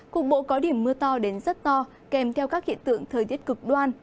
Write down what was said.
cục bộ có điểm mưa to đến rất to kèm theo các hiện tượng thời tiết cực đoan